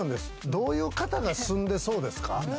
どういう方が住んでそうですか？